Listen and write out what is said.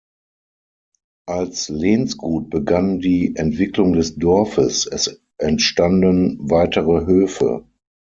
Als Lehnsgut begann die Entwicklung des Dorfes, es entstanden weitere Höfe.